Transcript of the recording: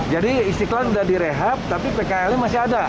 jadi istiqlal sudah direhab tapi pkl nya masih ada